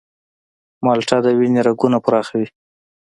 مالټه د وینې رګونه پراخوي.